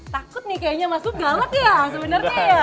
takut nih kayaknya mas bub galak ya sebenarnya ya